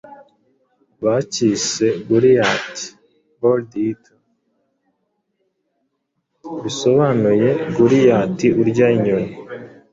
bacyise goriath birdeater bisobanuye goriyati urya inyoni